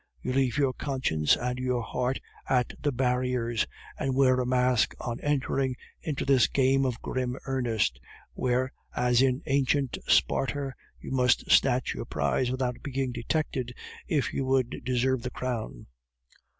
You leave your conscience and your heart at the barriers, and wear a mask on entering into this game of grim earnest, where, as in ancient Sparta, you must snatch your prize without being detected if you would deserve the crown.